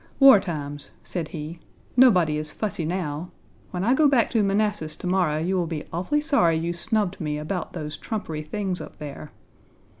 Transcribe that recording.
"War times," said he; "nobody is fussy now. When I go back to Manassas to morrow you will be awfully sorry you snubbed me about those trumpery things up there."